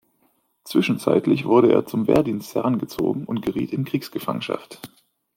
Zwischenzeitlich wurde er zum Wehrdienst herangezogen und geriet in Kriegsgefangenschaft.